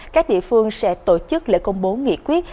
các địa phương sẽ tổ chức lễ công bố nghị quyết